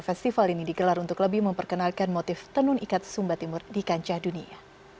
festival ini digelar untuk lebih memperkenalkan motif tenun ikat sumba timur di kancah dunia